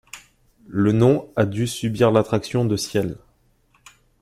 Le nom a dû subir l'attraction de 'ciel'.